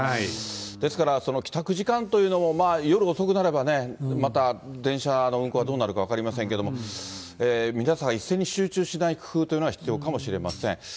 ですから帰宅時間というのも、夜遅くなればまた電車の運行はどうなるか分かりませんけども、皆さん一斉に集中しない工夫というのが必要かもしれません。